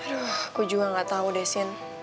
aduh gue juga gak tau desyen